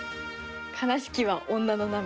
「哀しきは女の涙」。